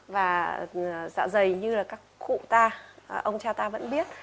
và dạ dày như là các cụ ta ông cha ta vẫn biết